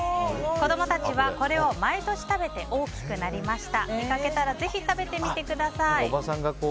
子供たちはこれを毎年食べて大きくなりました。